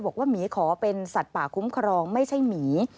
หมีขอเป็นสัตว์ป่าคุ้มครองไม่ใช่หมี